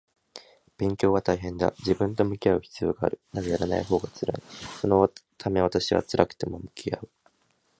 勉強は大変だ。自分と向き合う必要がある。だが、やらないほうが辛い。そのため私は辛くても向き合う